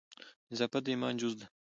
نظافت د ایمان جز ده